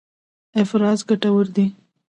افراز ګټور دی.